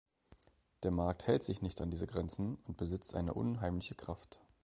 Der Markt hält sich nicht an diese Grenzen und besitzt eine unheimliche Kraft.